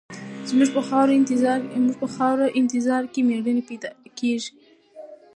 زموږ په خاوره انتظار کې مېړني پیدا کېږي.